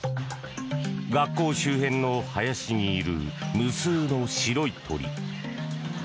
学校周辺の林にいる無数の白い鳥。